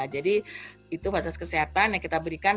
jadi itu fasilitas kesehatan yang kita berikan